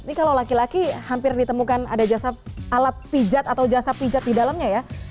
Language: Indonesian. ini kalau laki laki hampir ditemukan ada jasa alat pijat atau jasa pijat di dalamnya ya